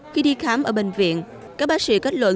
khi đi khám ở bệnh viện các bác sĩ kết luận